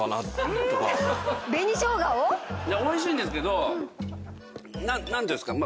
美味しいんですけどなんていうんですか？